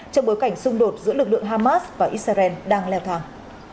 trong bối cảnh xung đột giữa lực lượng hamas và israel đang leo thang